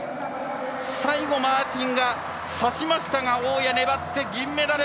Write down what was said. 最後、マーティンがさしましたが大矢、粘って、銀メダル。